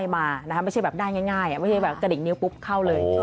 มานะคะไม่ใช่แบบได้ง่ายไม่ใช่แบบกระดิกนิ้วปุ๊บเข้าเลย